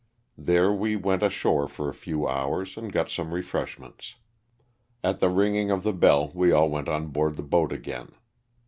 There we went ashore for a few hours and got some refreshments. At the ringing of the bell we all went on board the boat again.